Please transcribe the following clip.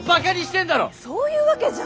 そういうわけじゃ。